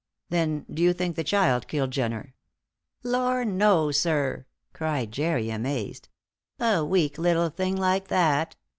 "Then, do you think the child killed Jenner?" "Lor' no, sir!" cried Jerry, amazed. "A weak little thing like that!